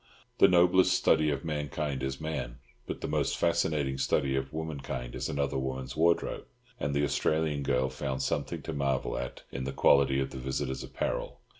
The noblest study of mankind is man, but the most fascinating study of womankind is another woman's wardrobe, and the Australian girl found something to marvel at in the quality of the visitor's apparel.